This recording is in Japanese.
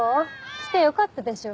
来てよかったでしょ